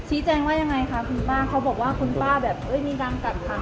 แจ้งว่ายังไงคะคุณป้าเขาบอกว่าคุณป้าแบบเอ้ยมีการกัดขัง